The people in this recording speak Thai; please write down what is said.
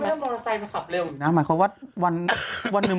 ไม่ต้องมอเตอร์ไซค์มาขับเร็วหมายความว่าวันหนึ่ง